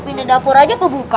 pindah dapur aja kebuka